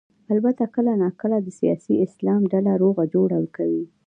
البته کله نا کله د سیاسي اسلام ډلې روغه جوړه کوي.